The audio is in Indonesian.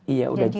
iya udah janji